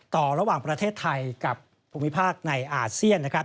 ต่อระหว่างประเทศไทยกับภูมิภาคนายอาเซียน